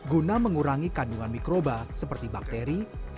guna mengurangi kandungan mikroba seperti bakteri virus dan jamur